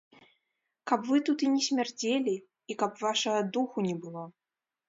Каб вы тут і не смярдзелі і каб вашага духу не было!